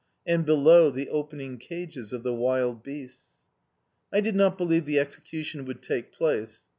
and, below, the opening cages of the wild beasts. "I did not believe the execution would take place.